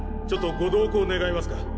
ちょっとご同行願えますか？